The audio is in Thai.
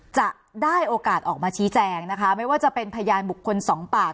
จะได้โอกาสออกมาชี้แจงนะคะไม่ว่าจะเป็นพยานบุคคลสองปาก